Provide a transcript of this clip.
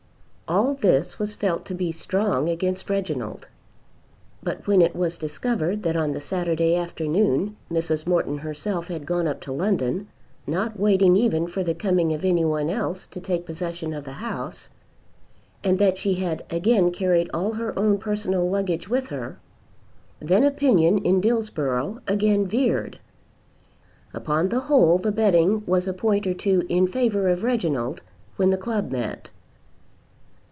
All this was felt to be strong against Reginald. But when it was discovered that on the Saturday afternoon Mrs. Morton herself had gone up to London, not waiting even for the coming of any one else to take possession of the house, and that she had again carried all her own personal luggage with her, then opinion in Dillsborough again veered. Upon the whole the betting was a point or two in favour of Reginald, when the club met.